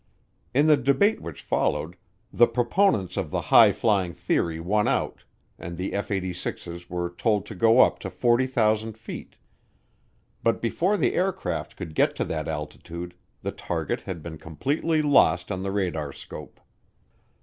In the debate which followed, the proponents of the high flying theory won out, and the F 86's were told to go up to 40,000 feet. But before the aircraft could get to that altitude, the target had been completely lost on the radarscope.